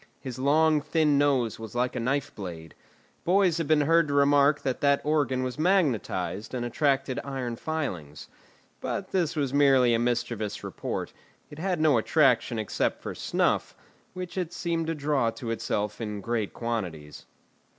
His long, thin nose was like a knife blade. Boys have been heard to remark that that organ was magnetised and attracted iron filings. But this was merely a mischievous report; it had no attraction except for snuff, which it seemed to draw to itself in great quantities.